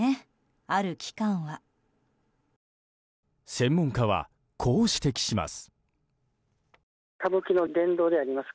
専門家は、こう指摘します。